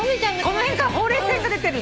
この辺からほうれい線が出てる。